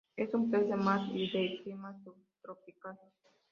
Es un pez de mar y de clima subtropical.